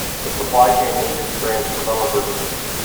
The Supply chain needs experienced developers.